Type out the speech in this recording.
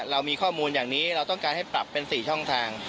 เรามีข้อมูลอย่างนี้เราต้องการให้ปรับเป็น๔ช่องทาง